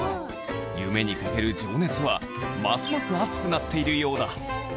夢にかける情熱はますます熱くなっているようだ